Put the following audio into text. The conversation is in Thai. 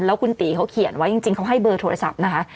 แล้วคุณตีเขาเขียนไว้จริงเขาให้เบอร์โทรศัพท์นะคะ